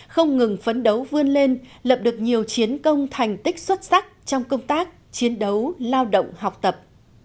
không ngừng phấn đấu vươn lên lập được nhiều chiến công thành tích xuất sắc trong công tác chiến đấu lao động học tập